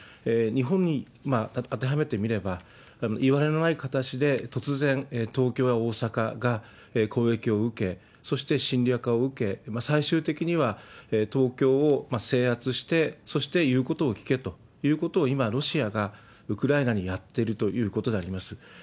日本に当てはめてみれば、いわれのない形で、突然、東京や大阪が攻撃を受け、そして侵略を受け、最終的には東京を制圧して、そして言うことを聞けということを今、ロシアがウクライナにやっているということであります。